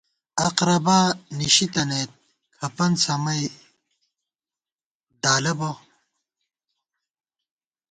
اقرَبا نشی تنَئیت ، کھپَن سَمَئی دالہ بہ